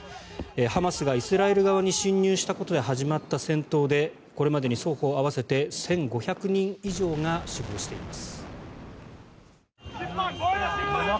ハマスがイスラエル側に侵入したことで始まった戦闘でこれまでに双方合わせて１５００人以上が死亡しています。